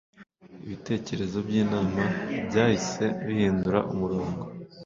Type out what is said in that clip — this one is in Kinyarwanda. Ibitekerezo by’inama byahise bihindura umurongo